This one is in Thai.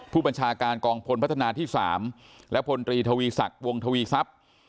ผู้บัญชาการกองพลพัฒนาที่๓และพลตรีทวีศักดิ์วงทวีทรัพย์